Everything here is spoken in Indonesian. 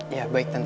iya baik tante